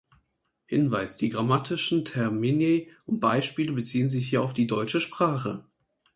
Hinweis: die grammatischen Termini und Beispiele beziehen sich hier auf die deutsche Sprache.